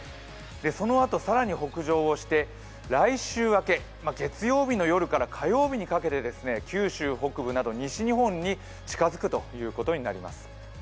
そのあと更に北上して来週開け、月曜日の夜から火曜日にかけて九州北部など西日本に近づくということになります。